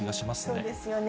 そうですよね。